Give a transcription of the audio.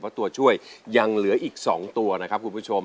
เพราะตัวช่วยยังเหลืออีก๒ตัวนะครับคุณผู้ชม